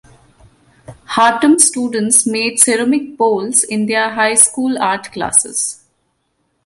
Hartom's students made ceramic bowls in their high school art classes.